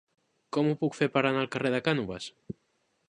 Com ho puc fer per anar al carrer de Cànoves?